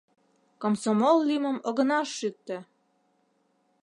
Комсомол лӱмым огына шӱктӧ!